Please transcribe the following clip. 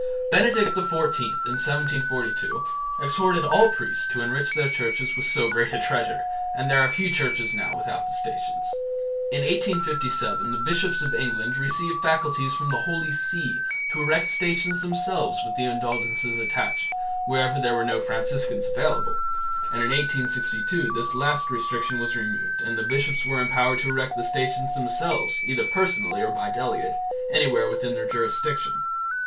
Benedict XIV in 1742 exhorted all priests to enrich their churches with so great a treasure, and there are few churches now without the Stations. In 1857 the bishops of England received faculties from the Holy See to erect Stations themselves, with the indulgences attached, wherever there were no Franciscans available, and in 1862 this last restriction was removed and the bishops were empowered to erect the Stations themselves, either personally or by delegate, anywhere within their jurisdiction.